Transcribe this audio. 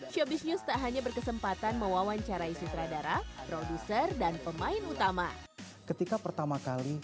syobis news tak hanya berkesempatan mewawancarai sutradara produser dan pemain utama